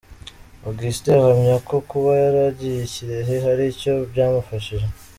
Augustin ahamya ko kuba yaragiye i Kirehe hari icyo byamufashije.